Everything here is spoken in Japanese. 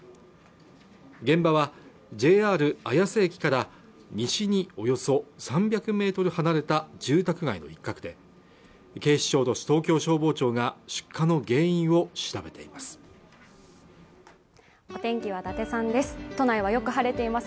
現場はＪＲ綾瀬駅から西におよそ３００ｍ離れた住宅街の一角で警視庁と東京消防庁が出火の原因を調べています